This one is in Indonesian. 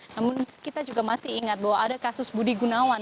namun kita juga masih ingat bahwa ada kasus budi gunawan